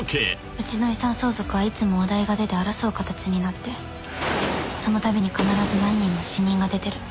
「うちの遺産相続はいつもお題が出て争う形になってそのたびに必ず何人も死人が出てる」